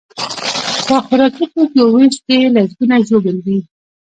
په خوراکي توکیو ویش کې لسکونه ژوبل دي.